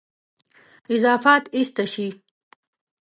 اضافات ایسته شي.